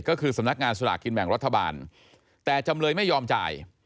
ก็คือสำนักงานสลากกินแบ่งรัฐบาลแต่จำเลยไม่ยอมจ่าย